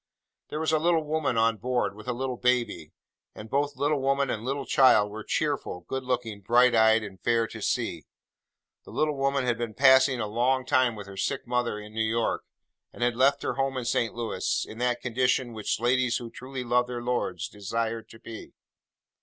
There was a little woman on board, with a little baby; and both little woman and little child were cheerful, good looking, bright eyed, and fair to see. The little woman had been passing a long time with her sick mother in New York, and had left her home in St. Louis, in that condition in which ladies who truly love their lords desire to be.